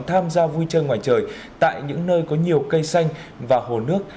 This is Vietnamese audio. tham gia vui chơi ngoài trời tại những nơi có nhiều cây xanh và hồ nước